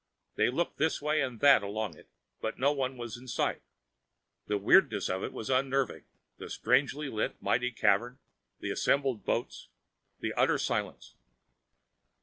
They looked this way and that along it, but no one was in sight. The weirdness of it was unnerving, the strangely lit, mighty cavern, the assembled boats, the utter silence.